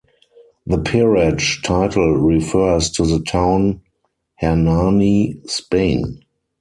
The peerage title referres to the town Hernani, Spain.